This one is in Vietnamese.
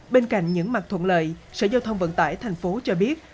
bên cạnh những mặt thuận lợi sở giao thông vận tải thành phố cho biết